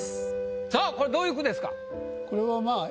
さぁこれどういう句ですか？